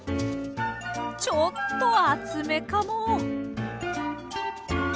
ちょっと厚めかも。